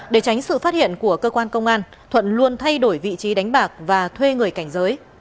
để tránh sự phát hiện của cơ quan công an thuận luôn thay đổi vị trí đánh bạc và thuê người cảnh giới